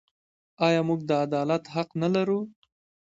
آیا موږ د عدالت حق نلرو؟